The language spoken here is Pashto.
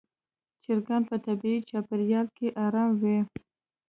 چرګان په طبیعي چاپېریال کې آرام وي.